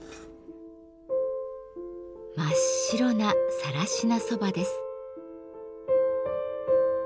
真っ白な更科蕎麦です。